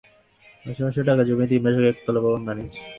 মাসে মাসে টাকা জমিয়ে তিন মাস আগে একটি একতলা ভবন বানিয়েছি।